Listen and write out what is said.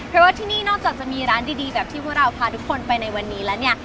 เพราะว่าที่นี่นอกจากจะมีร้านดีแบบที่พวกเราพาทุกคนไปในวันนี้แล้วเนี่ย